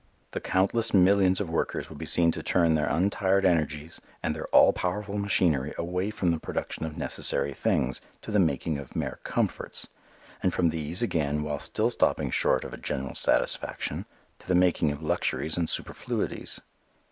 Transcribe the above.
The countless millions of workers would be seen to turn their untired energies and their all powerful machinery away from the production of necessary things to the making of mere comforts; and from these, again, while still stopping short of a general satisfaction, to the making of luxuries and superfluities.